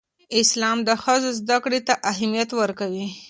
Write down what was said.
اسلام د ښځو زدهکړې ته اهمیت ورکوي.